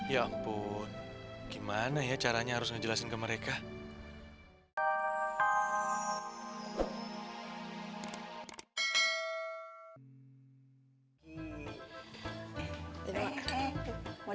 ya ampun gimana ya caranya harus ngejelasin ke mereka